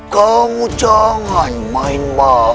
kamu jangan main main